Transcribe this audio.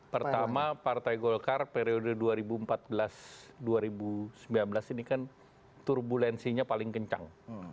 pertama partai golkar periode dua ribu empat belas dua ribu sembilan belas ini kan turbulensinya paling kencang